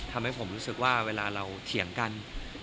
ทำให้ผมรู้สึกว่าเวลาเราเถียงกัน